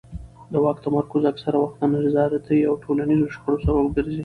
د واک تمرکز اکثره وخت د نارضایتۍ او ټولنیزو شخړو سبب ګرځي